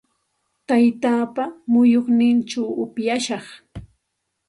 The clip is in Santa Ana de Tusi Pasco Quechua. Taytaapa muyunninchaw upyashaq.